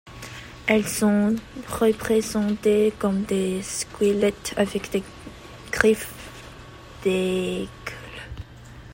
Elles sont représentées comme des squelettes avec des griffes d'aigles.